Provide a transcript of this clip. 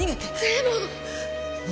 でも！